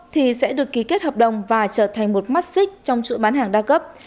thì sẽ được ký kết hợp đồng và trở thành một mắt xích trong chuỗi bán hàng đa cấp